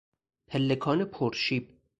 پلکان پرشیب